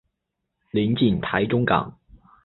临近台中港。